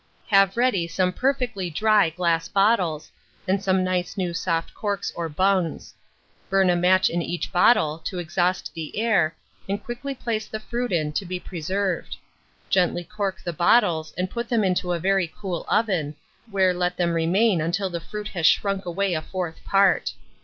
Have ready some perfectly dry glass bottles, and some nice new soft corks or bungs; burn a match in each bottle, to exhaust the air, and quickly place the fruit in to be preserved; gently cork the bottles, and put them into a very cool oven, where let them remain until the fruit has shrunk away a fourth part.